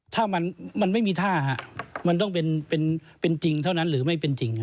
ถ้ามันไม่มีท่ามันต้องเป็นจริงเท่านั้นหรือไม่เป็นจริง